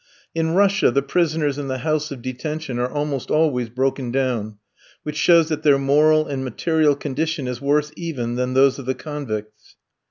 In Russia the prisoners in the House of Detention are almost always broken down, which shows that their moral and material condition is worse even than those of the convicts.